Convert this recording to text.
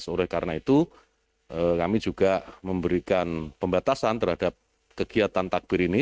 oleh karena itu kami juga memberikan pembatasan terhadap kegiatan takbir ini